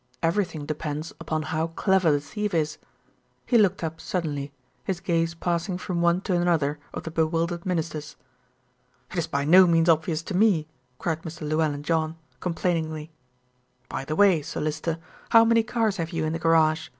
Everything depends upon how clever the thief is." He looked up suddenly, his gaze passing from one to another of the bewildered Ministers. "It's by no means obvious to me," cried Mr. Llewellyn John, complainingly. "By the way, Sir Lyster, how many cars have you in the garage?"